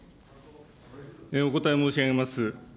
お答え申し上げます。